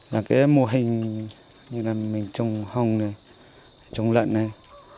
và cái mô hình như là mình trồng hồng này trồng lợn này